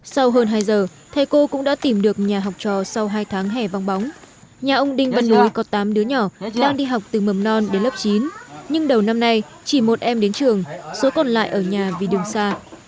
sau hơn hai giờ thầy cô cũng đã tìm được nhà học trò sau hai tháng hè vong bóng nhà ông đinh văn núi có tám đứa nhỏ đang đi học từ mầm non đến lớp chín nhưng đầu năm nay chỉ một em đến trường số còn lại ở nhà vì đường xa